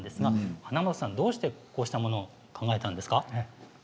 花元さん、どうしてこうしたものを考えたんですか？